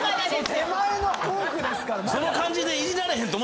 手前のトークですから。